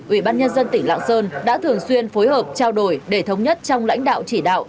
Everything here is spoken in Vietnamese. ủy ban nhân dân tỉnh lạng sơn đã thường xuyên phối hợp trao đổi để thống nhất trong lãnh đạo chỉ đạo